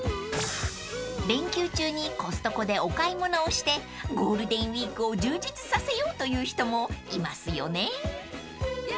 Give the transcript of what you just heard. ［連休中にコストコでお買い物をしてゴールデンウイークを充実させようという人もいますよね？］